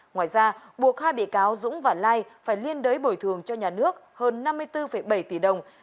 ngoài ra buộc hai bị cáo dũng và lai phải liên đới bồi thường cho nhà nước hơn năm mươi bốn bảy tỷ đồng